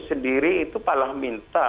sendiri itu palah minta